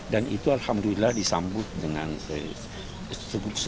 dan itu alhamdulillah disambut dengan serius